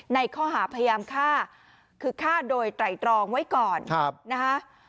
ในข้อหาพยายามฆ่าคือฆ่าโดยไตรตรองไว้ก่อนนะคะ